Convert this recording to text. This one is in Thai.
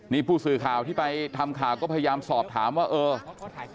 นี่ผู้สื่อข่าวที่ไปทำข่าวก็พยายามสอบถามว่าเออ